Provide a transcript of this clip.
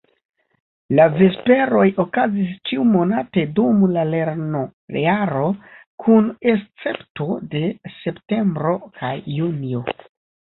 La Vesperoj okazis ĉiumonate dum la lernojaro kun escepto de septembro kaj junio.